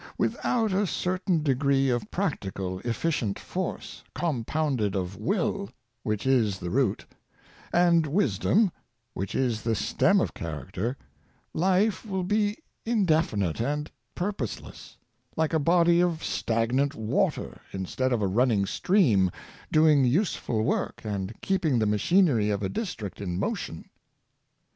Without a certain degree of practical efficient force, compounded of will, which is the root, and wis dom, which is the stem of character, life will be indefi nite and purposeless — like a body of stagnant water, in stead of a running stream doing useful work and keep ing the machinery of a district in motion.